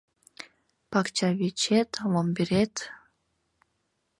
Пакчавечет — ломберет